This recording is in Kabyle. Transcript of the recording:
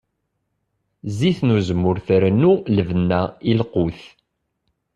Zzit n uzemmur trennu lbenna i lqut.